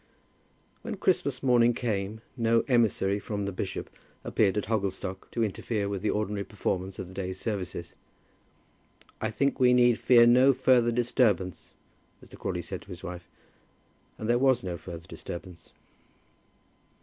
When Christmas morning came no emissary from the bishop appeared at Hogglestock to interfere with the ordinary performance of the day's services. "I think we need fear no further disturbance," Mr. Crawley said to his wife, and there was no further disturbance.